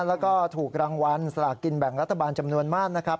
แล้วก็ถูกรางวัลสลากกินแบ่งรัฐบาลจำนวนมากนะครับ